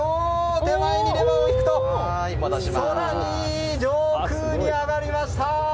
手前にレバーを引くと空に上空に上がりました！